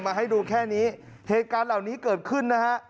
ให้ดูแค่นี้เหตุการณ์เหล่านี้เกิดขึ้นนะฮะ